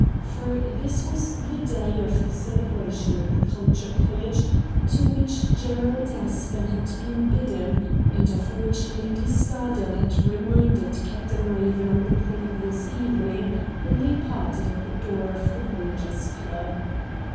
For this was the day of the celebration at the Culture College to which Gerald Aspen had been bidden, and of which Lady Scardale had reminded Captain Eaven 176 RED DIAMONDS on the previous evening when they parted at the door of the Voyagers' Club.